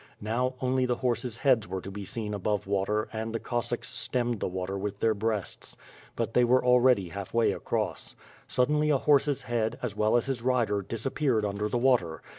Now, only the horses heads were to be seen above water and the Cossacks stemmed the water with their breasts. But they were already half way across. Sud denly a horse's head, as well as his rider, disappeared under the water.